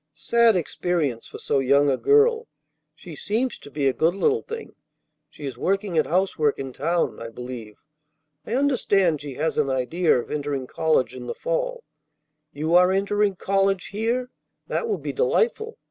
Sad experience for so young a girl. She seems to be a good little thing. She is working at housework in town, I believe. I understand she has an idea of entering college in the fall. You are entering college here? That will be delightful.